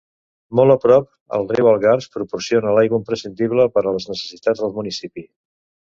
Molt a prop, el riu Algars proporciona l'aigua imprescindible per a les necessitats del municipi.